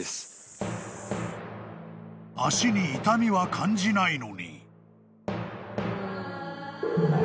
［足に痛みは感じないのに］